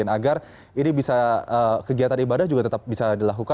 agar ini bisa kegiatan ibadah juga tetap bisa dilakukan